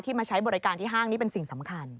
มาใช้บริการที่ห้างนี่เป็นสิ่งสำคัญ